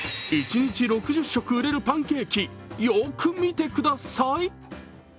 一日６０食うれるパンケーキ、よく見てください。